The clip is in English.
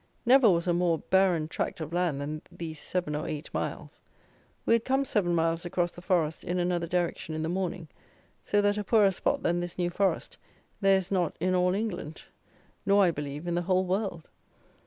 Never was a more barren tract of land than these seven or eight miles. We had come seven miles across the forest in another direction in the morning; so that a poorer spot than this New Forest, there is not in all England; nor, I believe, in the whole world.